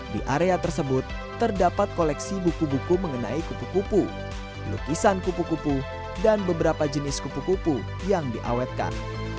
di area tersebut terdapat koleksi buku buku mengenai kupu kupu lukisan kupu kupu dan beberapa jenis kupu kupu yang diawetkan